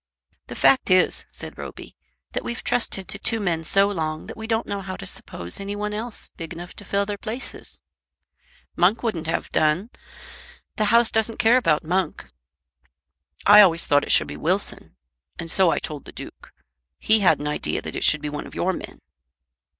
"The fact is," said Roby, "that we've trusted to two men so long that we don't know how to suppose any one else big enough to fill their places. Monk wouldn't have done. The House doesn't care about Monk." "I always thought it should be Wilson, and so I told the Duke. He had an idea that it should be one of your men."